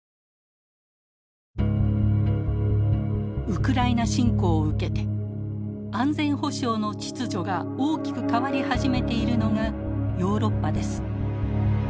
ウクライナ侵攻を受けて安全保障の秩序が大きく変わり始めているのがヨーロッパです。